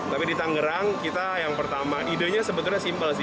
tapi di tangerang kita yang pertama idenya sebenarnya simpel sih